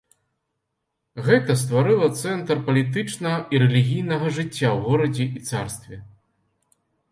Гэта стварыла цэнтр палітычнага і рэлігійнага жыцця ў горадзе і царстве.